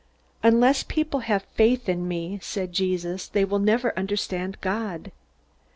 "Unless people have faith in me," said Jesus, "they will never understand God.